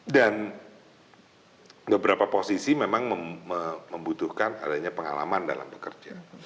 dan beberapa posisi memang membutuhkan adanya pengalaman dalam bekerja